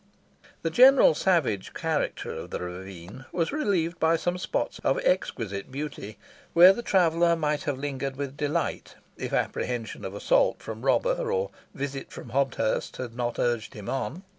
The general savage character of the ravine was relieved by some spots of exquisite beauty, where the traveller might have lingered with delight, if apprehension of assault from robber, or visit from Hobthurst, had not urged him on.